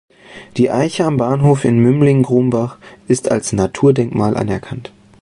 Die Eiche am Bahnhof in Mümling-Grumbach ist als Naturdenkmal anerkannt.